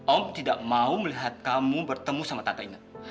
om tidak mau melihat kamu bertemu sama tante inge